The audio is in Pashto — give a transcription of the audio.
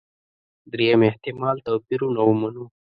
درېیم احتمال توپيرونه ومنو.